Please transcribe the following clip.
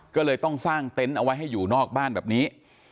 ก็เลยต้องสร้างเต็นต์เอาไว้ให้อยู่นอกบ้านแบบนี้